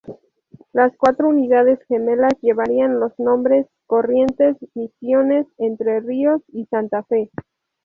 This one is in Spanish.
Las cuatro unidades gemelas llevarían los nombres "Corrientes", "Misiones", "Entre Ríos" y "Santa Fe".